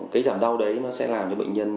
cái giảm đau đấy nó sẽ làm cho bệnh nhân